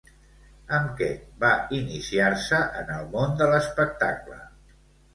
Amb què va iniciar-se en el món de l'espectacle?